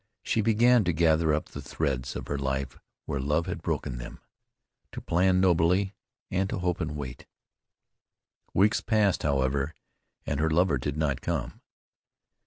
She began to gather up the threads of her life where love had broken them, to plan nobly, and to hope and wait. Weeks passed, however, and her lover did not come.